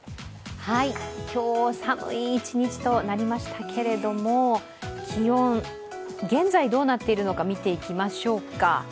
今日、寒い一日となりましたけれども気温、現在どうなっているのか見ていきましょうか。